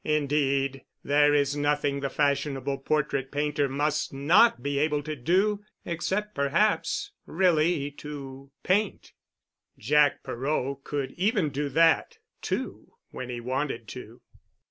Indeed, there is nothing the fashionable portrait painter must not be able to do, except perhaps really—to paint. Jack Perot could even do that, too, when he wanted to.